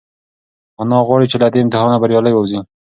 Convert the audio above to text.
انا غواړي چې له دې امتحانه بریالۍ ووځي.